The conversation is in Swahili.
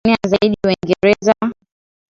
Kwa namna hiyo lugha ilienea zaidi Waingereza